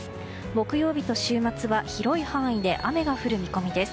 木曜日と週末は広い範囲で雨が降る見込みです。